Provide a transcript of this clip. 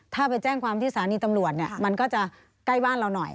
ถ้าไปแจ้งความที่สถานีตำรวจเนี่ยมันก็จะใกล้บ้านเราหน่อย